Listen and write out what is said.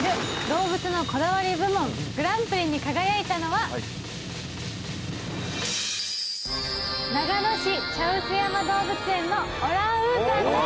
動物のこだわり部門グランプリに輝いたのは長野市茶臼山動物園のオランウータンです